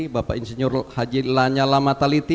bapak insinyur haji lanyala mataliti